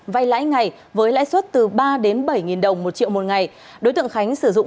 vay lãi ngày với lãi suất từ ba đến bảy đồng một triệu một ngày đối tượng khánh sử dụng